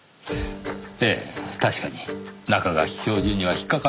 ええ確かに中垣教授には引っかかるものがありました。